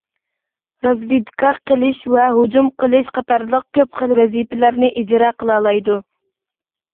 رازۋېدكا قىلىش ۋە ھۇجۇم قىلىش قاتارلىق كۆپ خىل ۋەزىپىلەرنى ئىجرا قىلالايدۇ.